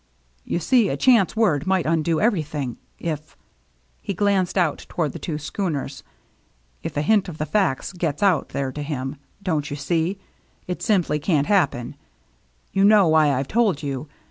" You see a chance word might undo every thing. If —" he glanced out toward the two schooners — "if a hint of the facts gets out there to him — don't you see? It simply can't happen. You know why I've told you.